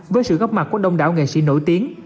với sự góp mặt của đông đảo nghệ sĩ nổi tiếng